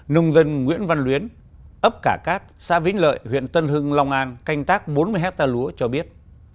nông dân nguyễn văn luyến ấp cả cát xã vĩnh lợi huyện tân hưng long an canh tác bốn mươi hectare lúa cho biết